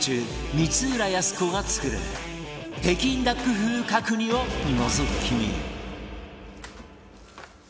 光浦靖子が作る北京ダック風角煮をのぞき見